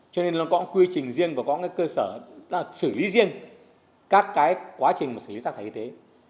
cho nên nó có một quy trình riêng và có một cơ sở xử lý riêng các quá trình xử lý rác thải y tế